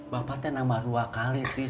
bapaknya nambah dua kali tis